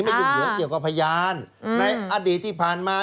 ยุ่งเหลืองเกี่ยวกับพยานในอดีตที่ผ่านมา